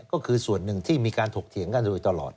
ก็คือส่วนหนึ่งที่มีการถกเถียงกันโดยตลอด